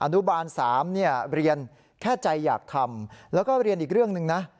อนุบาล๓เรียนแค่ใจอยากทำแล้วก็เรียนอีกเรื่องหนึ่งนะ